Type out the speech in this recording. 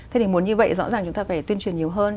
thế thì muốn như vậy rõ ràng chúng ta phải tuyên truyền nhiều hơn